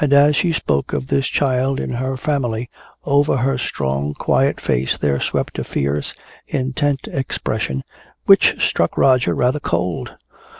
As she spoke of this child in her family, over her strong quiet face there swept a fierce, intent expression which struck Roger rather cold.